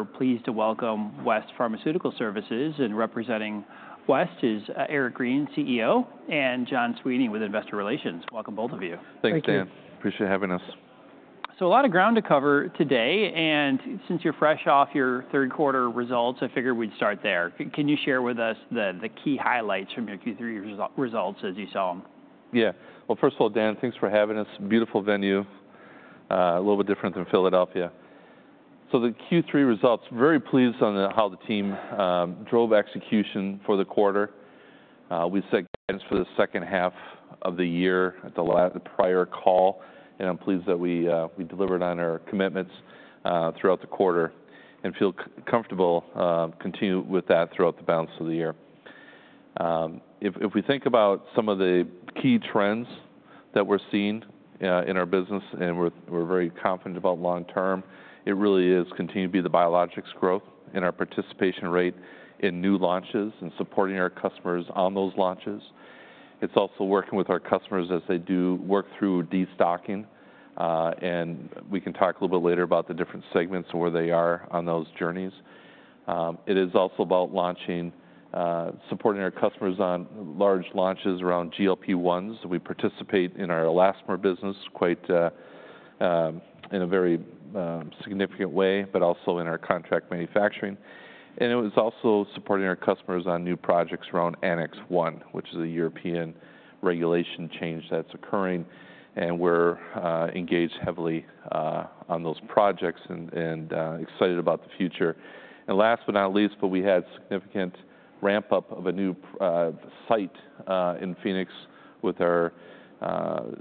We're pleased to welcome West Pharmaceutical Services. Representing West is Eric Green, CEO, and John Sweeney with Investor Relations. Welcome, both of you. Thank you. Thank you. Appreciate having us. A lot of ground to cover today. Since you're fresh off your third quarter results, I figured we'd start there. Can you share with us the key highlights from your Q3 results as you saw them? Yeah. Well, first of all, Dan, thanks for having us. Beautiful venue, a little bit different than Philadelphia. So the Q3 results, very pleased on how the team drove execution for the quarter. We set guidance for the second half of the year at the prior call, and I'm pleased that we delivered on our commitments throughout the quarter and feel comfortable continuing with that throughout the balance of the year. If we think about some of the key trends that we're seeing in our business, and we're very confident about long term, it really is continuing to be the biologics growth in our participation rate in new launches and supporting our customers on those launches. It's also working with our customers as they do work through destocking, and we can talk a little bit later about the different segments and where they are on those journeys. It is also about launching, supporting our customers on large launches around GLP-1s. We participate in our elastomer business quite in a very significant way, but also in our contract manufacturing, and it was also supporting our customers on new projects around Annex 1, which is a European regulation change that's occurring, and we're engaged heavily on those projects and excited about the future, and last but not least, but we had significant ramp-up of a new site in Phoenix with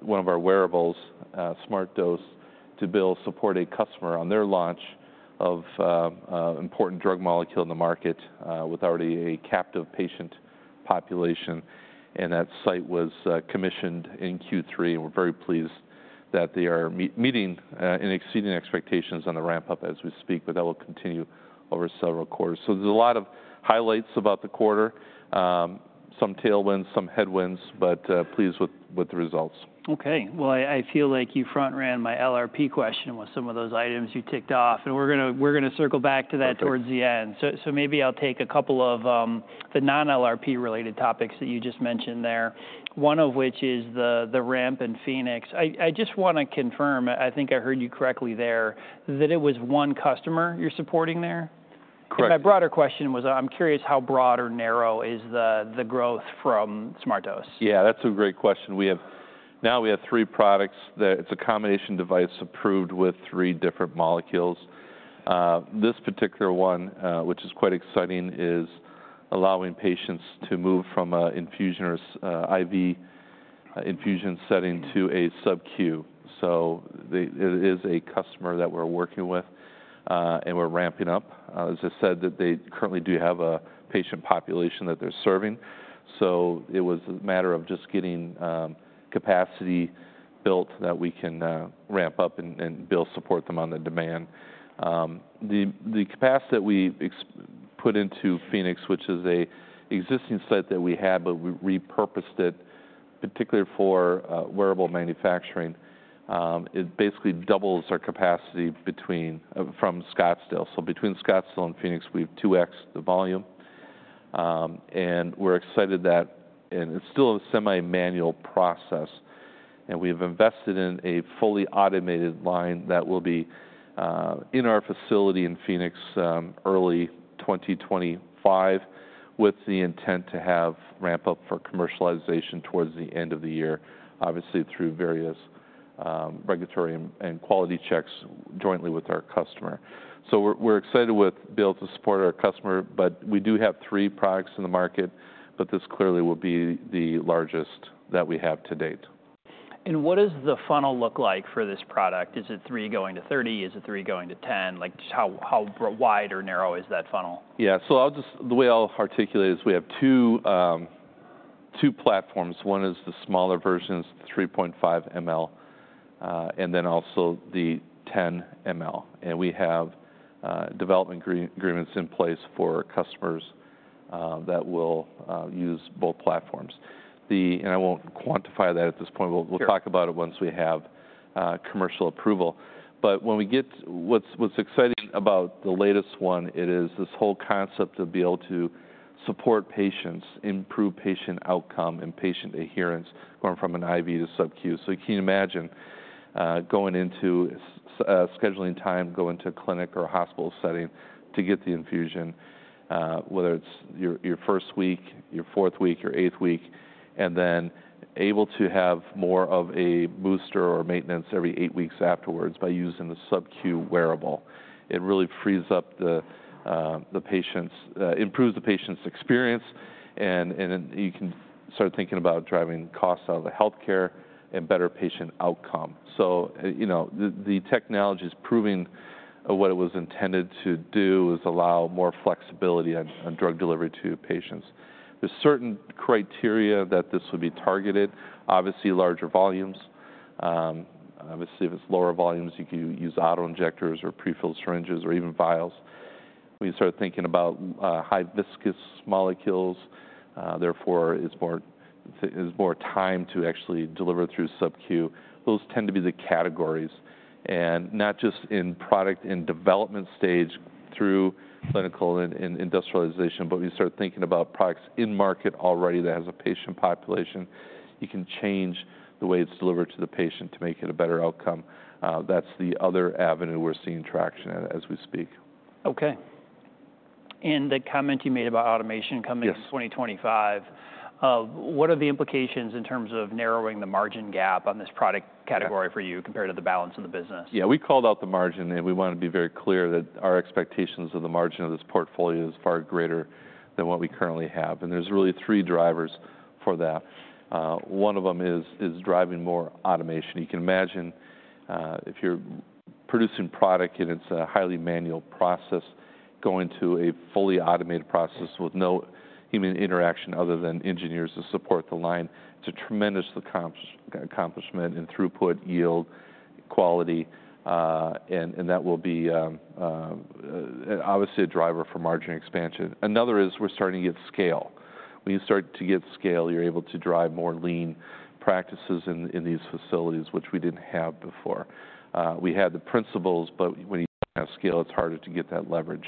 one of our wearables, SmartDose, to build support a customer on their launch of an important drug molecule in the market with already a captive patient population, and that site was commissioned in Q3, and we're very pleased that they are meeting and exceeding expectations on the ramp-up as we speak, but that will continue over several quarters. So there's a lot of highlights about the quarter, some tailwinds, some headwinds, but pleased with the results. Okay, well, I feel like you front-ran my LRP question with some of those items you ticked off, and we're going to circle back to that towards the end, so maybe I'll take a couple of the non-LRP-related topics that you just mentioned there, one of which is the ramp in Phoenix. I just want to confirm, I think I heard you correctly there, that it was one customer you're supporting there? Correct. My broader question was, I'm curious how broad or narrow is the growth from SmartDose? Yeah, that's a great question. Now we have three products. It's a combination device approved with three different molecules. This particular one, which is quite exciting, is allowing patients to move from an infusion or IV infusion setting to a Sub-Q. So it is a customer that we're working with, and we're ramping up. As I said, they currently do have a patient population that they're serving. So it was a matter of just getting capacity built that we can ramp up and build support them on the demand. The capacity that we put into Phoenix, which is an existing site that we had, but we repurposed it particularly for wearable manufacturing, it basically doubles our capacity from Scottsdale. So between Scottsdale and Phoenix, we've 2x the volume, and we're excited that it's still a semi-manual process. We've invested in a fully automated line that will be in our facility in Phoenix early 2025 with the intent to have ramp-up for commercialization towards the end of the year, obviously through various regulatory and quality checks jointly with our customer. We're excited with being able to support our customer. We do have three products in the market, but this clearly will be the largest that we have to date. What does the funnel look like for this product? Is it three going to 30? Is it three going to 10? How wide or narrow is that funnel? Yeah, so the way I'll articulate it is we have two platforms. One is the smaller version, 3.5 ml, and then also the 10 ml, and we have development agreements in place for customers that will use both platforms, and I won't quantify that at this point. We'll talk about it once we have commercial approval, but what's exciting about the latest one is this whole concept of being able to support patients, improve patient outcome, and patient adherence going from an IV to Sub-Q, so you can imagine going into scheduling time, going to a clinic or a hospital setting to get the infusion, whether it's your first week, your fourth week, your eighth week, and then able to have more of a booster or maintenance every eight weeks afterwards by using the Sub-Q wearable. It really improves the patient's experience. You can start thinking about driving costs out of the healthcare and better patient outcome. The technology is proving what it was intended to do is allow more flexibility on drug delivery to patients. There's certain criteria that this would be targeted. Obviously, larger volumes. Obviously, if it's lower volumes, you can use autoinjectors or prefilled syringes or even vials. We start thinking about high viscous molecules. Therefore, it's more time to actually deliver through Sub-Q. Those tend to be the categories. Not just in product and development stage through clinical and industrialization, but we start thinking about products in market already that have a patient population. You can change the way it's delivered to the patient to make it a better outcome. That's the other avenue we're seeing traction at as we speak. Okay, and the comment you made about automation coming in 2025, what are the implications in terms of narrowing the margin gap on this product category for you compared to the balance of the business? Yeah, we called out the margin, and we wanted to be very clear that our expectations of the margin of this portfolio is far greater than what we currently have. And there's really three drivers for that. One of them is driving more automation. You can imagine if you're producing product and it's a highly manual process, going to a fully automated process with no human interaction other than engineers to support the line, it's a tremendous accomplishment in throughput, yield, quality. And that will be obviously a driver for margin expansion. Another is we're starting to get scale. When you start to get scale, you're able to drive more lean practices in these facilities, which we didn't have before. We had the principles, but when you don't have scale, it's harder to get that leverage.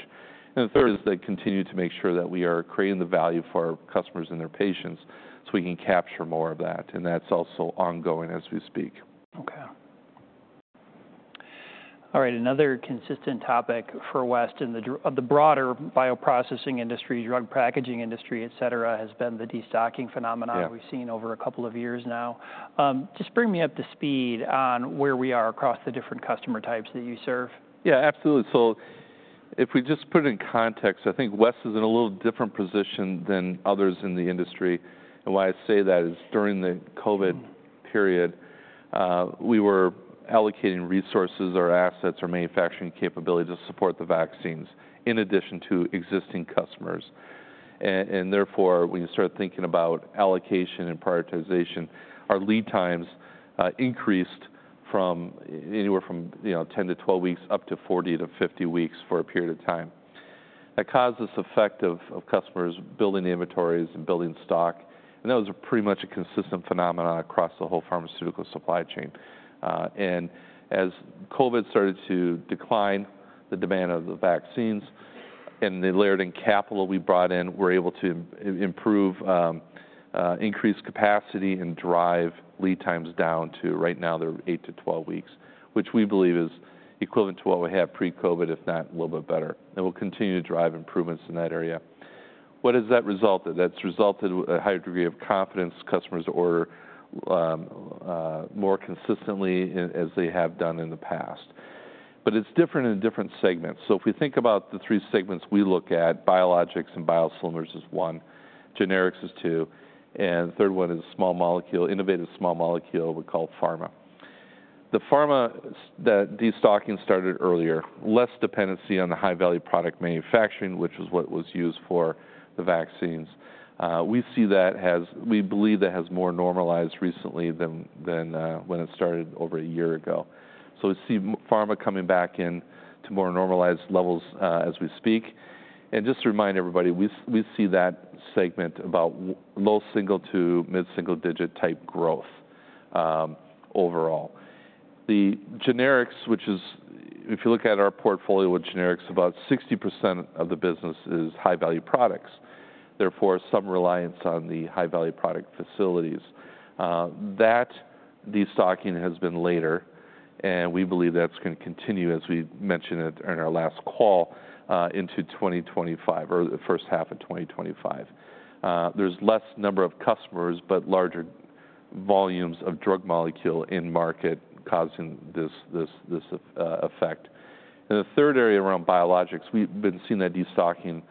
And the third is that continue to make sure that we are creating the value for our customers and their patients so we can capture more of that. And that's also ongoing as we speak. Okay. All right. Another consistent topic for West in the broader bioprocessing industry, drug packaging industry, etc., has been the destocking phenomenon we've seen over a couple of years now. Just bring me up to speed on where we are across the different customer types that you serve? Yeah, absolutely. So if we just put it in context, I think West is in a little different position than others in the industry. And why I say that is during the COVID period, we were allocating resources, our assets, our manufacturing capability to support the vaccines in addition to existing customers. And therefore, when you start thinking about allocation and prioritization, our lead times increased from anywhere from 10 to 12 weeks up to 40 to 50 weeks for a period of time. That caused this effect of customers building inventories and building stock. And that was pretty much a consistent phenomenon across the whole pharmaceutical supply chain. And as COVID started to decline, the demand of the vaccines and the layered-in capital we brought in, we're able to improve, increase capacity, and drive lead times down to right now they're eight to 12 weeks, which we believe is equivalent to what we had pre-COVID, if not a little bit better. And we'll continue to drive improvements in that area. What has that resulted? That's resulted in a higher degree of confidence. Customers order more consistently as they have done in the past. But it's different in different segments. So if we think about the three segments we look at, biologics and biosimilars is one, generics is two, and the third one is small molecule, innovative small molecule we call pharma. The pharma destocking started earlier, less dependency on the high-value product manufacturing, which was what was used for the vaccines. We see that, as we believe, has more normalized recently than when it started over a year ago. So we see pharma coming back into more normalized levels as we speak. Just to remind everybody, we see that segment about low- to mid-single-digit type growth overall. The generics, which, if you look at our portfolio with generics, about 60% of the business is high-value products. Therefore, some reliance on the high-value product facilities. That destocking has been later. We believe that's going to continue, as we mentioned in our last call, into 2025 or the first half of 2025. There's less number of customers, but larger volumes of drug molecule in market causing this effect. The third area around biologics, we've been seeing that destocking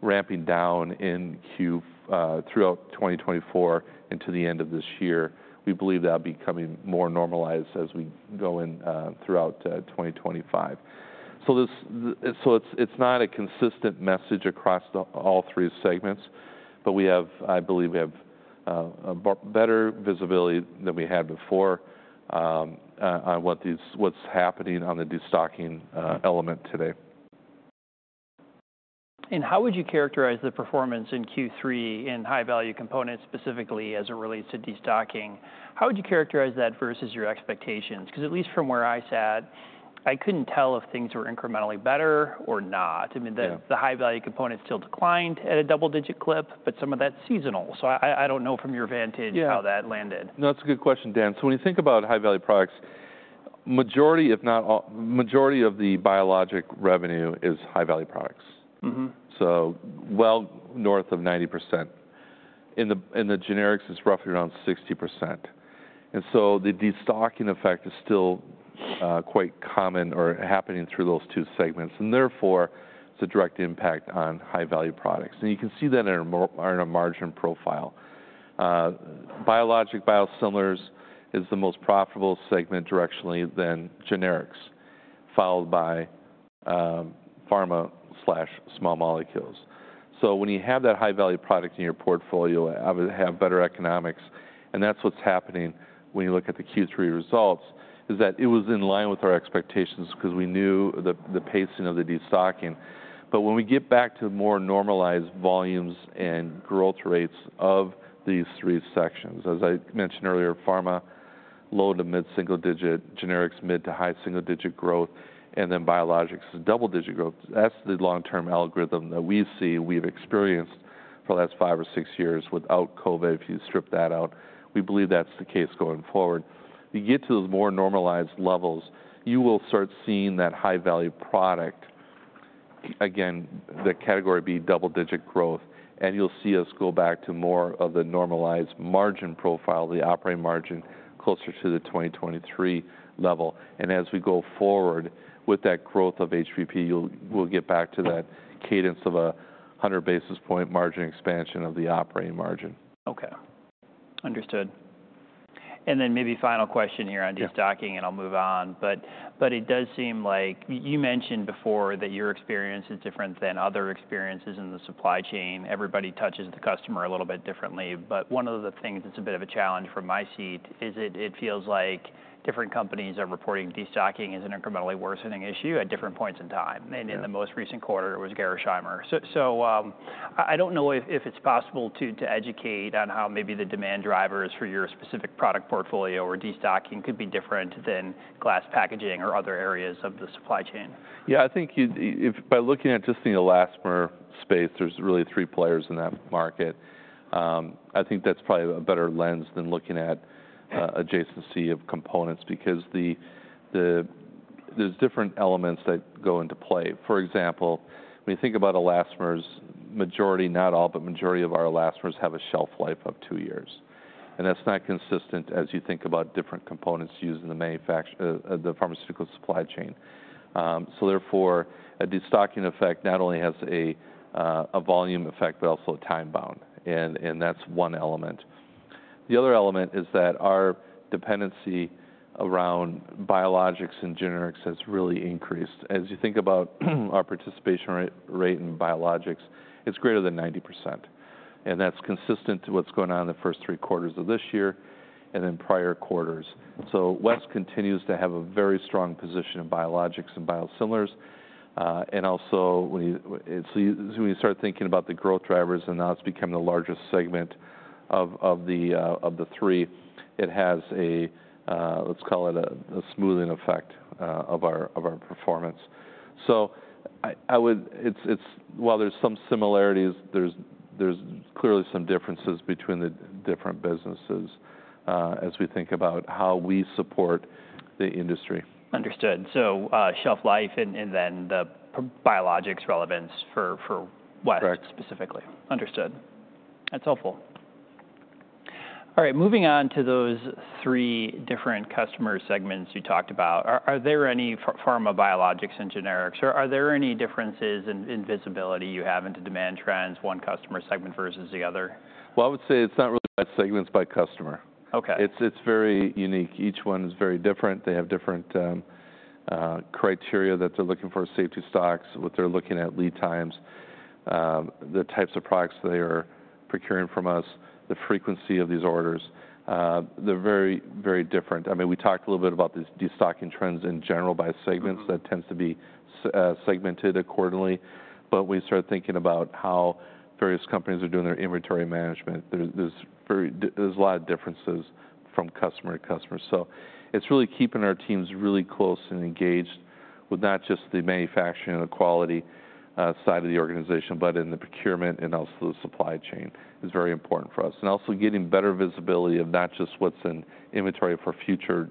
ramping down in Q throughout 2024 into the end of this year. We believe that'll be coming more normalized as we go in throughout 2025. So it's not a consistent message across all three segments, but I believe we have better visibility than we had before on what's happening on the destocking element today. And how would you characterize the performance in Q3 in high-value components specifically as it relates to destocking? How would you characterize that versus your expectations? Because at least from where I sat, I couldn't tell if things were incrementally better or not. I mean, the high-value components still declined at a double-digit clip, but some of that's seasonal. So I don't know from your vantage how that landed. No, that's a good question, Dan. So when you think about high-value products, majority, if not majority of the biologic revenue is high-value products. So well north of 90%. In the generics, it's roughly around 60%. And so the destocking effect is still quite common or happening through those two segments. And therefore, it's a direct impact on high-value products. And you can see that in our margin profile. Biologic biosimilars is the most profitable segment directionally than generics, followed by pharma/small molecules. So when you have that high-value product in your portfolio, obviously have better economics. And that's what's happening when you look at the Q3 results, is that it was in line with our expectations because we knew the pacing of the destocking. When we get back to more normalized volumes and growth rates of these three sections, as I mentioned earlier, pharma low to mid-single digit, generics mid to high single digit growth, and then biologics double-digit growth. That's the long-term algorithm that we see we've experienced for the last five or six years without COVID, if you strip that out. We believe that's the case going forward. You get to those more normalized levels, you will start seeing that high-value product, again, the category B double-digit growth. And you'll see us go back to more of the normalized margin profile, the operating margin closer to the 2023 level. And as we go forward with that growth of HVP, we'll get back to that cadence of a 100 basis points margin expansion of the operating margin. Okay. Understood. And then maybe final question here on destocking, and I'll move on. But it does seem like you mentioned before that your experience is different than other experiences in the supply chain. Everybody touches the customer a little bit differently. But one of the things that's a bit of a challenge from my seat is it feels like different companies are reporting destocking as an incrementally worsening issue at different points in time. And in the most recent quarter, it was Gerresheimer. So I don't know if it's possible to educate on how maybe the demand drivers for your specific product portfolio or destocking could be different than glass packaging or other areas of the supply chain. Yeah, I think by looking at just in the elastomer space, there's really three players in that market. I think that's probably a better lens than looking at adjacency of components because there's different elements that go into play. For example, when you think about elastomers, majority, not all, but majority of our elastomers have a shelf life of two years, and that's not consistent as you think about different components used in the pharmaceutical supply chain. So therefore, a destocking effect not only has a volume effect, but also a time bound, and that's one element. The other element is that our dependency around biologics and generics has really increased. As you think about our participation rate in biologics, it's greater than 90%, and that's consistent to what's going on in the first three quarters of this year and then prior quarters. So West continues to have a very strong position in biologics and biosimilars. And also when you start thinking about the growth drivers, and now it's becoming the largest segment of the three, it has a, let's call it a smoothing effect of our performance. So while there's some similarities, there's clearly some differences between the different businesses as we think about how we support the industry. Understood. So shelf life and then the biologics relevance for West specifically. Understood. That's helpful. All right. Moving on to those three different customer segments you talked about, are there any pharma biologics and generics, or are there any differences in visibility you have into demand trends, one customer segment versus the other? I would say it's not really by segments, by customer. It's very unique. Each one is very different. They have different criteria that they're looking for safety stocks, what they're looking at, lead times, the types of products they are procuring from us, the frequency of these orders. They're very, very different. I mean, we talked a little bit about these destocking trends in general by segments that tends to be segmented accordingly. But when you start thinking about how various companies are doing their inventory management, there's a lot of differences from customer to customer. So it's really keeping our teams really close and engaged with not just the manufacturing and the quality side of the organization, but in the procurement and also the supply chain is very important for us. And also getting better visibility of not just what's in inventory for future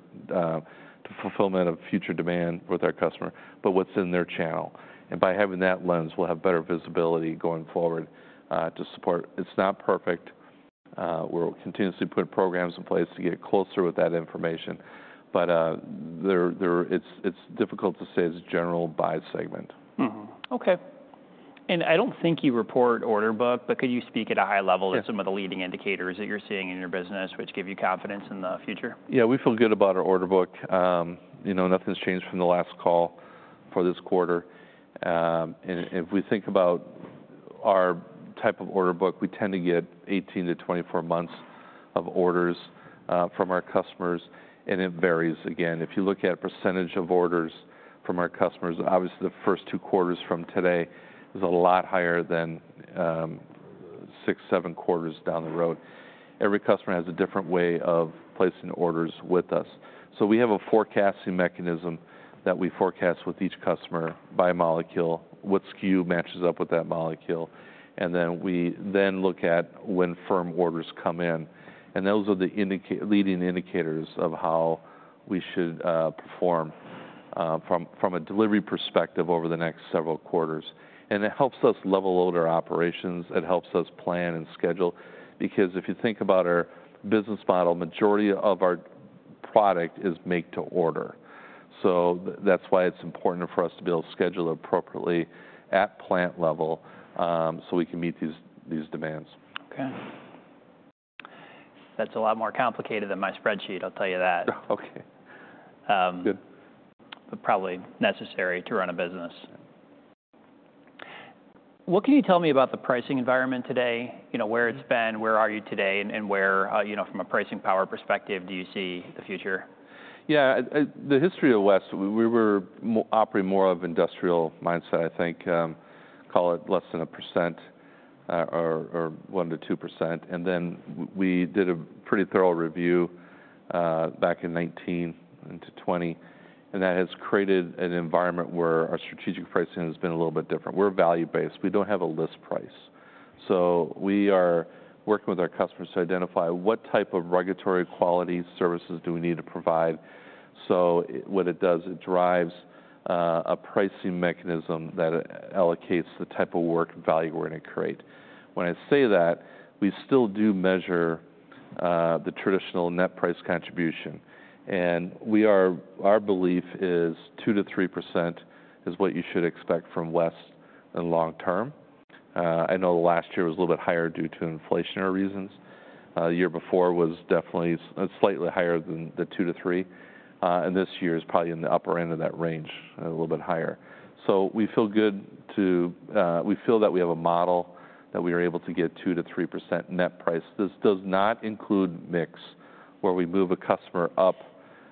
fulfillment of future demand with our customer, but what's in their channel. And by having that lens, we'll have better visibility going forward to support. It's not perfect. We're continuously putting programs in place to get closer with that information. But it's difficult to say it's a general buy segment. Okay, and I don't think you report order book, but could you speak at a high level to some of the leading indicators that you're seeing in your business, which give you confidence in the future? Yeah, we feel good about our order book. Nothing's changed from the last call for this quarter. And if we think about our type of order book, we tend to get 18 to 24 months of orders from our customers. And it varies. Again, if you look at percentage of orders from our customers, obviously the first two quarters from today is a lot higher than six, seven quarters down the road. Every customer has a different way of placing orders with us. So we have a forecasting mechanism that we forecast with each customer by molecule. What SKU matches up with that molecule. And then we then look at when firm orders come in. And those are the leading indicators of how we should perform from a delivery perspective over the next several quarters. And it helps us level out our operations. It helps us plan and schedule. Because if you think about our business model, majority of our product is made to order, so that's why it's important for us to be able to schedule appropriately at plant level so we can meet these demands. Okay. That's a lot more complicated than my spreadsheet, I'll tell you that. Okay. Good. But probably necessary to run a business. What can you tell me about the pricing environment today? Where it's been, where are you today, and where from a pricing power perspective do you see the future? Yeah, the history of West, we were operating more of an industrial mindset, I think. Call it less than a percent or 1%-2%. And then we did a pretty thorough review back in 2019 into 2020, and that has created an environment where our strategic pricing has been a little bit different. We're value-based. We don't have a list price, so we are working with our customers to identify what type of regulatory quality services do we need to provide, so what it does, it drives a pricing mechanism that allocates the type of work and value we're going to create. When I say that, we still do measure the traditional net price contribution, and our belief is 2%-3% is what you should expect from West in the long term. I know the last year was a little bit higher due to inflationary reasons. The year before was definitely slightly higher than the 2%-3%. This year is probably in the upper end of that range, a little bit higher. So we feel good that we have a model that we are able to get 2%-3% net price. This does not include mix where we move a customer up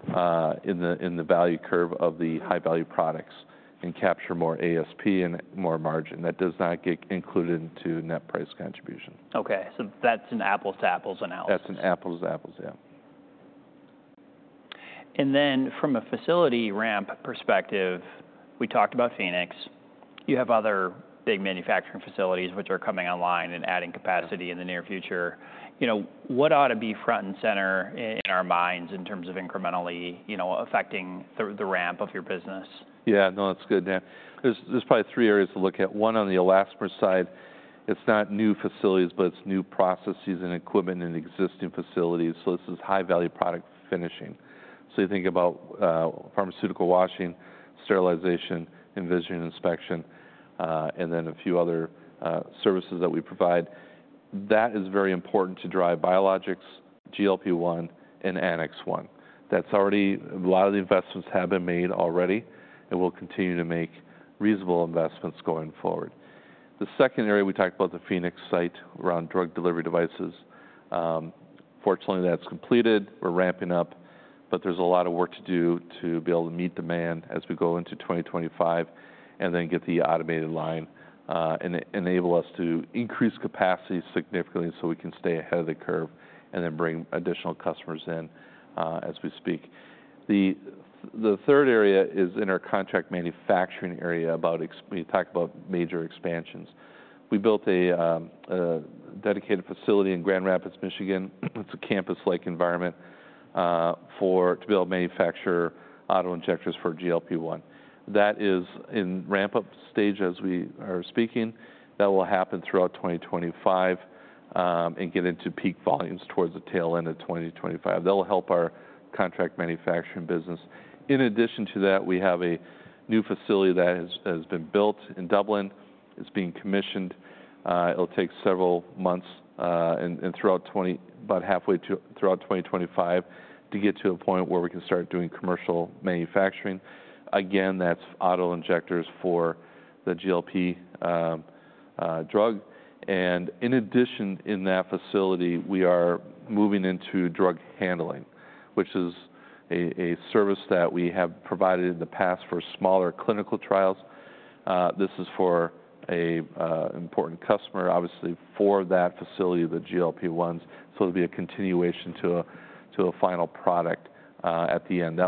in the value curve of the high-value products and capture more ASP and more margin. That does not get included into net price contribution. Okay. So that's an apples-to-apples analysis. That's an apples-to-apples, yeah. Then from a facility ramp perspective, we talked about Phoenix. You have other big manufacturing facilities which are coming online and adding capacity in the near future. What ought to be front and center in our minds in terms of incrementally affecting the ramp of your business? Yeah, no, that's good, Dan. There's probably three areas to look at. One on the elastomer side, it's not new facilities, but it's new processes and equipment in existing facilities. So this is high-value product finishing. So you think about pharmaceutical washing, sterilization, visual inspection, and then a few other services that we provide. That is very important to drive biologics, GLP-1, and Annex 1. That's already a lot of the investments have been made already, and we'll continue to make reasonable investments going forward. The second area, we talked about the Phoenix site around drug delivery devices. Fortunately, that's completed. We're ramping up, but there's a lot of work to do to be able to meet demand as we go into 2025 and then get the automated line and enable us to increase capacity significantly so we can stay ahead of the curve and then bring additional customers in as we speak. The third area is in our contract manufacturing area about we talk about major expansions. We built a dedicated facility in Grand Rapids, Michigan. It's a campus-like environment to be able to manufacture autoinjectors for GLP-1. That is in ramp-up stage as we are speaking. That will happen throughout 2025 and get into peak volumes towards the tail end of 2025. That will help our contract manufacturing business. In addition to that, we have a new facility that has been built in Dublin. It's being commissioned. It'll take several months and about halfway through 2025 to get to a point where we can start doing commercial manufacturing. Again, that's autoinjectors for the GLP-1 drug. In addition, in that facility, we are moving into drug handling, which is a service that we have provided in the past for smaller clinical trials. This is for an important customer, obviously for that facility, the GLP-1s. It'll be a continuation to a final product at the end.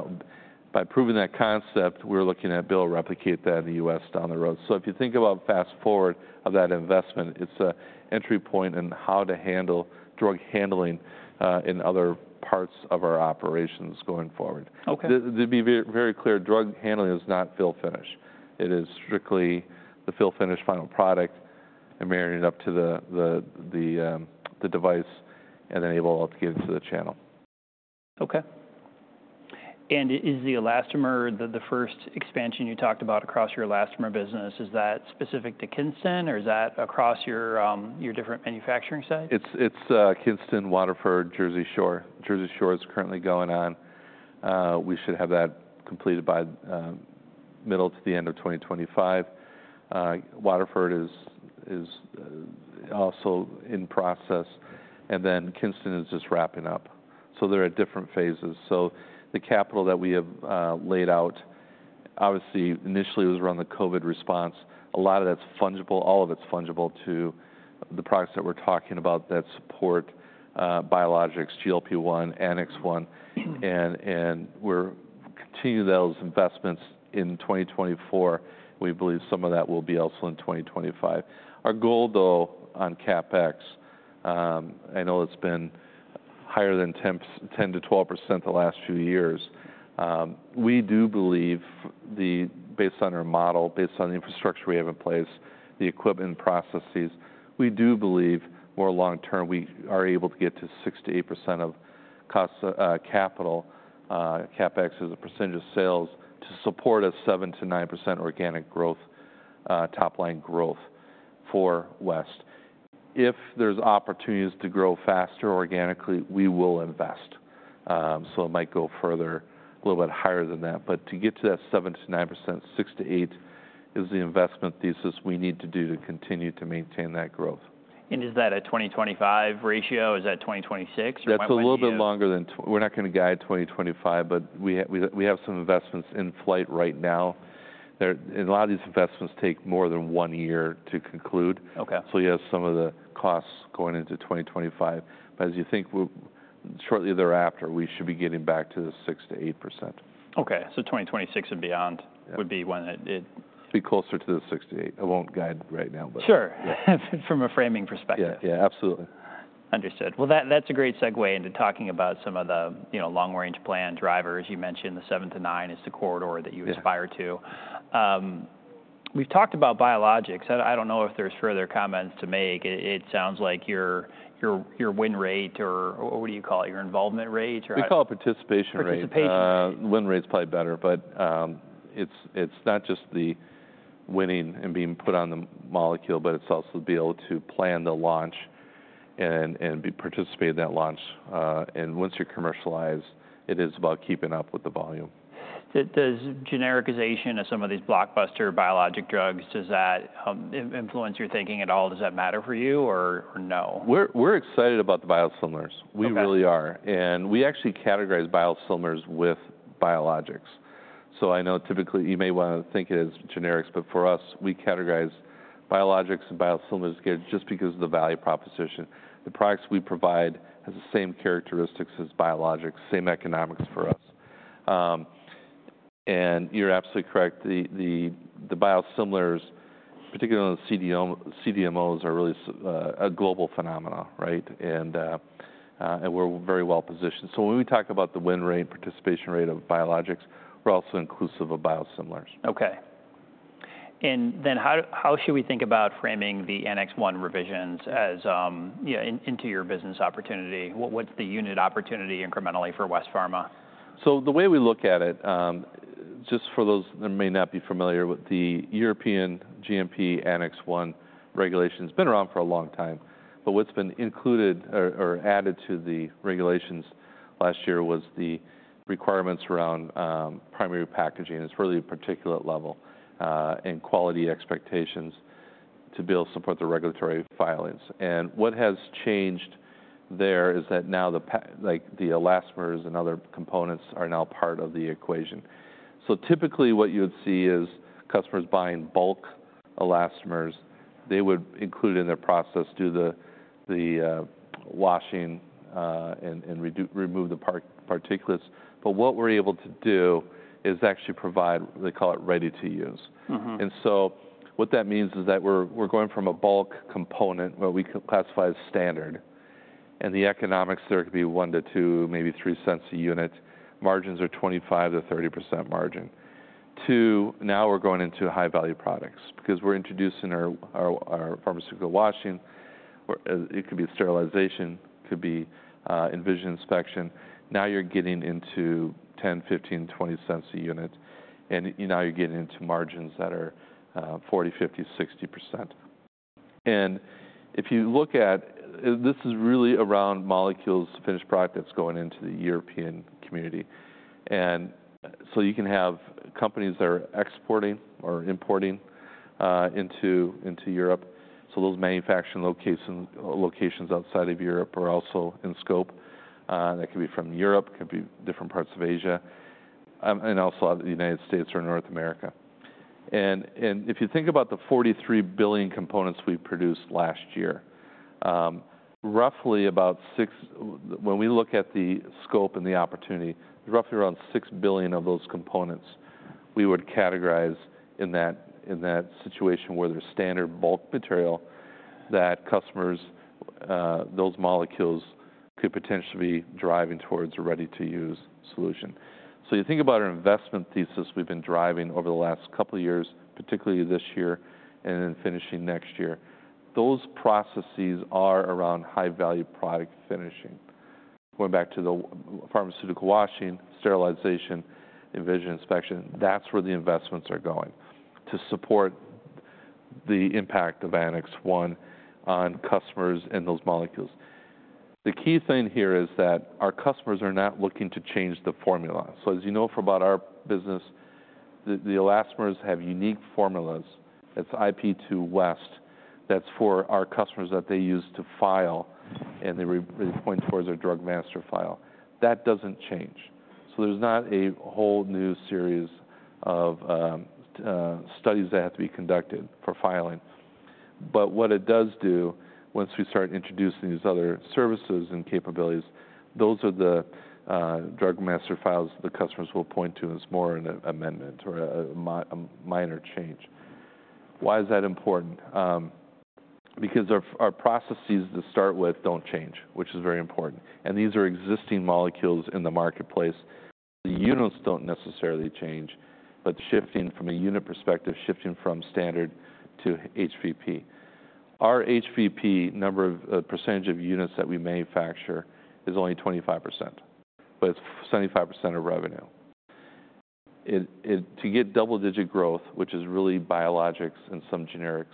By proving that concept, we're looking at being able to replicate that in the U.S. down the road. If you think about fast forward of that investment, it's an entry point in how to handle drug handling in other parts of our operations going forward. To be very clear, drug handling is not fill-finish. It is strictly the fill-finish final product and marrying it up to the device and then able to get into the channel. Okay. And is the elastomer, the first expansion you talked about across your elastomer business, is that specific to Kinston or is that across your different manufacturing site? It's Kinston, Waterford, Jersey Shore. Jersey Shore is currently going on. We should have that completed by the middle to the end of 2025. Waterford is also in process. Then Kinston is just wrapping up. There are different phases. The capital that we have laid out, obviously, initially was around the COVID response. A lot of that's fungible. All of it's fungible to the products that we're talking about that support biologics, GLP-1, Annex 1. We're continuing those investments in 2024. We believe some of that will be also in 2025. Our goal, though, on CapEx, I know it's been higher than 10%-12% the last few years. We do believe, based on our model, based on the infrastructure we have in place, the equipment processes, we do believe more long-term, we are able to get to 6%-8% CapEx as a percentage of sales to support a 7%-9% organic growth, top-line growth for West. If there's opportunities to grow faster organically, we will invest. So it might go further, a little bit higher than that. But to get to that 7%-9%, 6%-8% is the investment thesis we need to do to continue to maintain that growth. Is that a 2025 ratio? Is that 2026 or monthly? That's a little bit longer than we're not going to guide 2025, but we have some investments in flight right now. And a lot of these investments take more than one year to conclude. So you have some of the costs going into 2025. But as you think shortly thereafter, we should be getting back to the 6%-8%. Okay. So 2026 and beyond would be when it. Be closer to the six to eight. I won't guide right now, but. Sure. From a framing perspective. Yeah, absolutely. Understood. Well, that's a great segue into talking about some of the long-range plan drivers. You mentioned the seven to nine is the corridor that you aspire to. We've talked about biologics. I don't know if there's further comments to make. It sounds like your win rate or what do you call it? Your involvement rate or. We call it participation rate. Participation. Win rate is probably better, but it's not just the winning and being put on the molecule, but it's also to be able to plan the launch and participate in that launch, and once you're commercialized, it is about keeping up with the volume. Does genericization of some of these blockbuster biologic drugs, does that influence your thinking at all? Does that matter for you or no? We're excited about the biosimilars. We really are. And we actually categorize biosimilars with biologics. So I know typically you may want to think it is generics, but for us, we categorize biologics and biosimilars just because of the value proposition. The products we provide have the same characteristics as biologics, same economics for us. And you're absolutely correct. The biosimilars, particularly on the CDMOs, are really a global phenomenon, right? And we're very well positioned. So when we talk about the win rate and participation rate of biologics, we're also inclusive of biosimilars. Okay. And then how should we think about framing the Annex 1 revisions into your business opportunity? What's the unit opportunity incrementally for West Pharma? The way we look at it, just for those that may not be familiar with the European GMP Annex 1 regulations, it's been around for a long time. What's been included or added to the regulations last year was the requirements around primary packaging. It's really a particular level and quality expectations to be able to support the regulatory filings. What has changed there is that now the elastomers and other components are now part of the equation. Typically what you would see is customers buying bulk elastomers, they would include in their process, do the washing and remove the particulates. What we're able to do is actually provide. They call it ready to use. And so what that means is that we're going from a bulk component, what we classify as standard, and the economics there could be $0.01-$0.02, maybe $0.03 a unit. Margins are 25%-30% margin. Two, now we're going into high-value products because we're introducing our pharmaceutical washing. It could be sterilization, could be vision inspection. Now you're getting into $0.10, $0.15, $0.20 a unit. And now you're getting into margins that are 40%, 50%, 60%. And if you look at this is really around molecules to finished product that's going into the European community. And so you can have companies that are exporting or importing into Europe. So those manufacturing locations outside of Europe are also in scope. That could be from Europe, could be different parts of Asia, and also the United States or North America. If you think about the 43 billion components we produced last year, roughly about when we look at the scope and the opportunity, roughly around 6 billion of those components we would categorize in that situation where there's standard bulk material that customers, those molecules could potentially be driving towards a ready-to-use solution. You think about our investment thesis we've been driving over the last couple of years, particularly this year and then finishing next year. Those processes are around high-value product finishing. Going back to the pharmaceutical washing, sterilization, vision inspection, that's where the investments are going to support the impact of Annex 1 on customers and those molecules. The key thing here is that our customers are not looking to change the formula. So as you know, about our business, the elastomers have unique formulas. It's IP to West. That's for our customers that they use to file and they point towards their Drug Master File. That doesn't change. So there's not a whole new series of studies that have to be conducted for filing. But what it does do, once we start introducing these other services and capabilities, those are the Drug Master Files the customers will point to as more an amendment or a minor change. Why is that important? Because our processes to start with don't change, which is very important. And these are existing molecules in the marketplace. The units don't necessarily change, but shifting from a unit perspective, shifting from standard to HVP. Our HVP number of percentage of units that we manufacture is only 25%, but it's 75% of revenue. To get double-digit growth, which is really biologics and some generics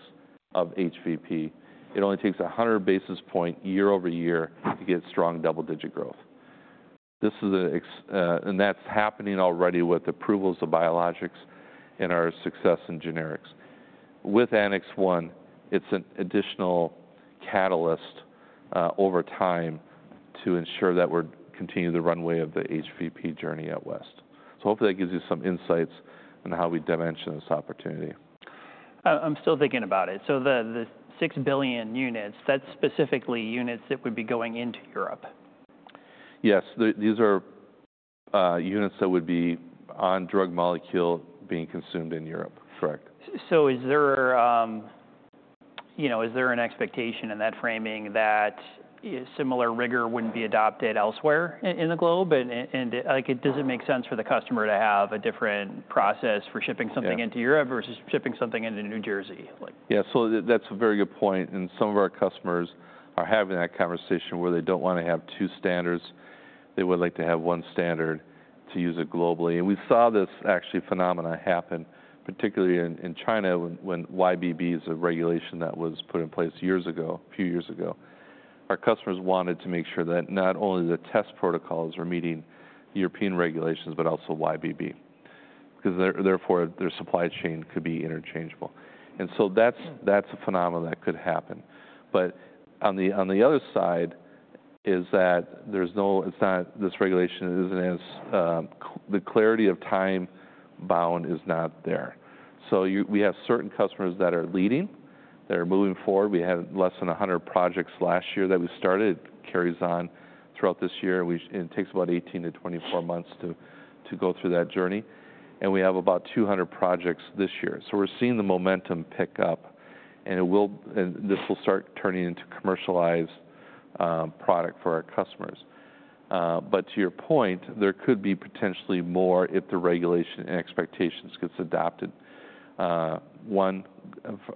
of HVP, it only takes 100 basis points year over year to get strong double-digit growth. And that's happening already with approvals of biologics and our success in generics. With Annex 1, it's an additional catalyst over time to ensure that we continue the runway of the HVP journey at West. So hopefully that gives you some insights on how we dimension this opportunity. I'm still thinking about it, so the six billion units, that's specifically units that would be going into Europe. Yes. These are units that would be on drug molecule being consumed in Europe. Correct. So is there an expectation in that framing that similar rigor wouldn't be adopted elsewhere in the globe? And does it make sense for the customer to have a different process for shipping something into Europe versus shipping something into New Jersey? Yeah. So that's a very good point. And some of our customers are having that conversation where they don't want to have two standards. They would like to have one standard to use it globally. And we saw this actually phenomenon happen, particularly in China when YBB is a regulation that was put in place years ago, a few years ago. Our customers wanted to make sure that not only the test protocols were meeting European regulations, but also YBB because therefore their supply chain could be interchangeable. And so that's a phenomenon that could happen. But on the other side is that there's no this regulation isn't as the clarity of time bound is not there. So we have certain customers that are leading, that are moving forward. We had less than 100 projects last year that we started. It carries on throughout this year. It takes about 18 to 24 months to go through that journey, and we have about 200 projects this year, so we're seeing the momentum pick up, and this will start turning into commercialized product for our customers, but to your point, there could be potentially more if the regulation and expectations get adopted, one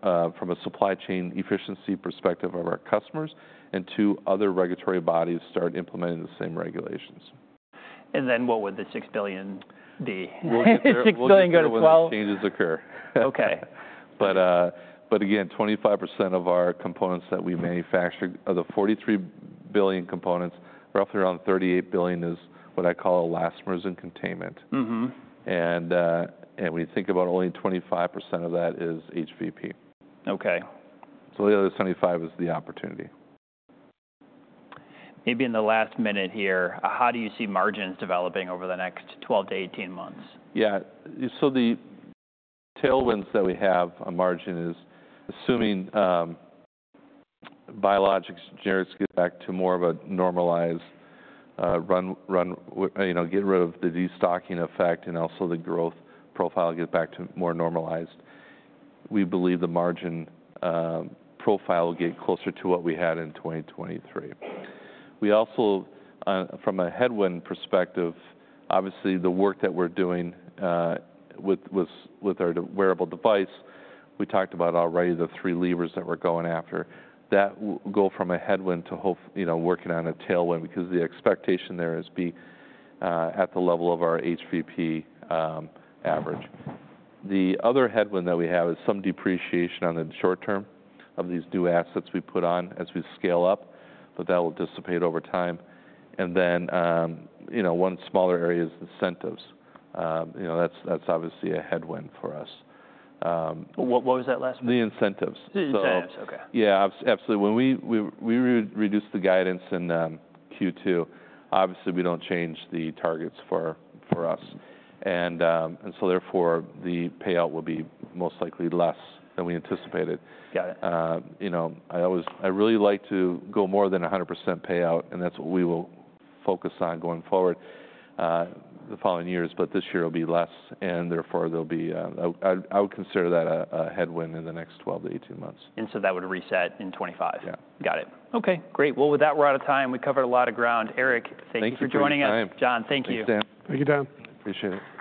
from a supply chain efficiency perspective of our customers, and two, other regulatory bodies start implementing the same regulations. And then what would the $6 billion be? Six billion go to 12. Changes occur. Okay. But again, 25% of our components that we manufacture of the 43 billion components, roughly around 38 billion is what I call elastomers and containment. And we think about only 25% of that is HVP. Okay. So the other 75 is the opportunity. Maybe in the last minute here, how do you see margins developing over the next 12 to 18 months? Yeah. So the tailwinds that we have on margin is assuming biologics generics get back to more of a normalized run, get rid of the destocking effect, and also the growth profile gets back to more normalized. We believe the margin profile will get closer to what we had in 2023. We also, from a headwind perspective, obviously the work that we're doing with our wearable device, we talked about already the three levers that we're going after. That will go from a headwind to working on a tailwind because the expectation there is be at the level of our HVP average. The other headwind that we have is some depreciation on the short term of these new assets we put on as we scale up, but that will dissipate over time. And then one smaller area is incentives. That's obviously a headwind for us. What was that last one? The incentives. Incentives, okay. Yeah, absolutely. When we reduce the guidance in Q2, obviously we don't change the targets for us. And so therefore the payout will be most likely less than we anticipated. I really like to go more than 100% payout, and that's what we will focus on going forward the following years. But this year it'll be less, and therefore there'll be, I would consider that, a headwind in the next 12-18 months. And so that would reset in 2025. Yeah. Got it. Okay. Great. Well, with that, we're out of time. We covered a lot of ground. Eric, thank you for joining us. Thanks for having me. John, thank you. Thanks, Dan. Thank you, Dan. Appreciate it.